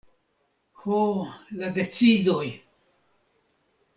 Ho, la decidoj!